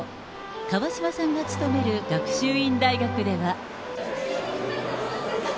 川嶋さんが勤める学習院大学では。